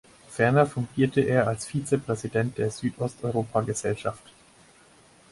Ferner fungierte er als Vizepräsident der Südosteuropa-Gesellschaft.